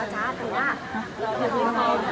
แล้วจริงแพทย์อยากได้ออปชันหนึ่งไหมคะ